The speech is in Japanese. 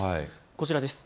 こちらです。